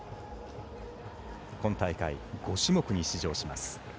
今大会、５種目に出場します。